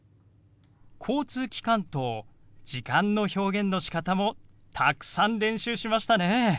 交通機関と時間の表現のしかたもたくさん練習しましたね。